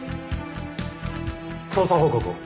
捜査報告を。